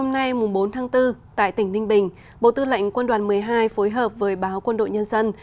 hôm nay bốn tháng bốn tại tỉnh ninh bình bộ tư lệnh quân đoàn một mươi hai phối hợp với báo quân đội nhân dân